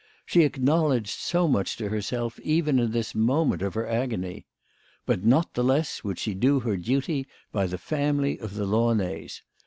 She acknowledged so much to herself even in this moment of her agony. But not the less would she do her duty by the family of the Launays.